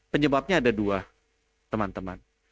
penyebabnya ada dua teman teman